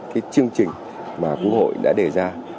cái chương trình mà quốc hội đã để ra